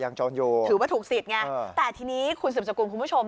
ยางจองโยคถือว่าถูกสิทธิ์ไงแต่ทีนี้คุณสู้ประสบคุณคุณผู้ชม